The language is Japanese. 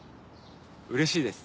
うれしいです。